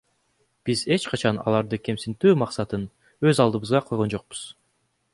Биз эч качан аларды кемсинтүү максатын өз алдыбызга койгон жокпуз.